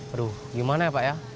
aduh gimana ya pak ya